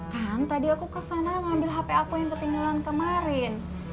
kan tadi aku kesana ngambil hp aku yang ketinggalan kemarin